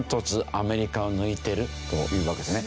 アメリカを抜いてるというわけですね。